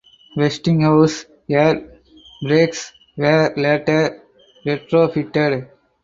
Westinghouse air brakes were later retrofitted.